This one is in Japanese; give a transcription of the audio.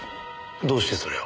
どうしてそれを？